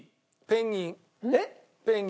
ペンギン。